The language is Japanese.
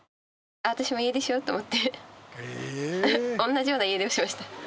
私も家出しよと思って、同じような家出をしました。